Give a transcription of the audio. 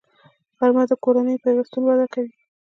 غرمه د کورنیو پیوستون وده کوي